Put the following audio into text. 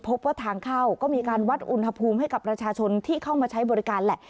พบว่าทางเข้าก็มีการวัดอุณหภูมิให้กับประชาชนที่เข้ามาใช้บริการแหละ